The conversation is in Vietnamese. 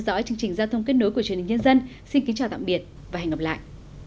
xin kính chào tạm biệt và hẹn gặp lại